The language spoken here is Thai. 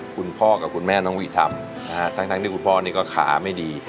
คุณพ่อกับคุณแม่น้องวีทำทั้งที่คุณพ่อนี่ก็ขาไม่ดี